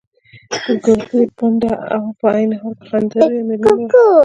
ګردۍ، پنډه او په عین حال کې خنده رویه مېرمن وه.